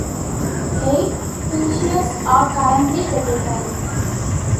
Eight species are currently recognized.